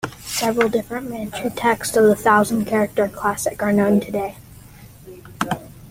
Several different Manchu texts of the "Thousand Character Classic" are known today.